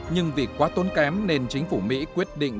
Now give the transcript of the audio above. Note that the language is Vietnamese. nhưng vì quá tốn kém nên chính phủ mỹ quyết định